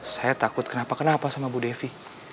saya takut kenapa kenapa sama bu devi